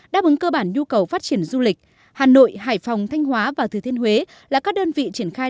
đáp ứng cơ bản nhu cầu phát triển du lịch hà nội hải phòng thanh hóa và thừa thiên huế là các đơn vị triển khai